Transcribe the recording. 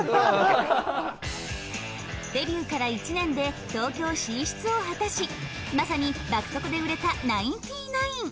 デビューから１年で東京進出を果たしまさに爆速で売れたナインティナイン。